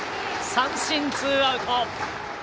三振、ツーアウト。